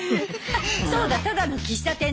そうだただの喫茶店だ。